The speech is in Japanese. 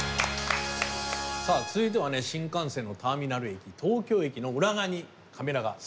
続いてはね新幹線のターミナル駅東京駅の裏側にカメラが潜入しましたんで。